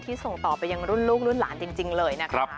ส่งต่อไปยังรุ่นลูกรุ่นหลานจริงเลยนะคะ